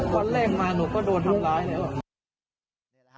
วันแรกมาหนูก็โดนทำร้ายแล้ว